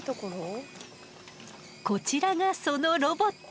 こちらがそのロボット！